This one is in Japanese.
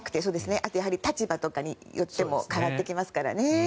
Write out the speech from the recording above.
やはり立場とかによっても変わってきますからね。